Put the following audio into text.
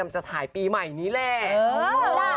จะถ่ายปีใหม่นี้แหละ